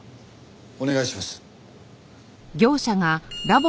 お願いします。